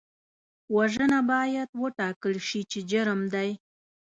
وژنه باید وټاکل شي چې جرم دی